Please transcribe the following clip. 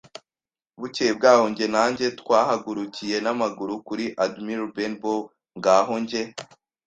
Bukeye bwaho, njye na njye twahagurukiye n'amaguru kuri Admiral Benbow, ngaho njye